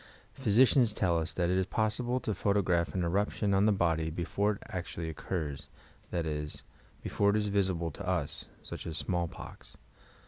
Physi cians tell us that it is possible to photograph an eruption on the body before it actually occurs, that is, before it iB visible to us (such as smallpox).